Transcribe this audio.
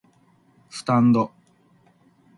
スタンド